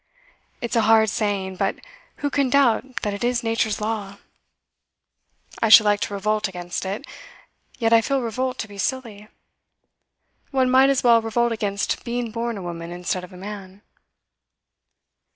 It's a hard saying, but who can doubt that it is Nature's law? I should like to revolt against it, yet I feel revolt to be silly. One might as well revolt against being born a woman instead of a man.